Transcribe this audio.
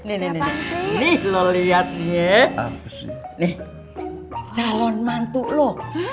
ini lihat nih nih calon mantu lo